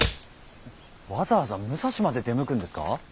わざわざ武蔵まで出向くんですか？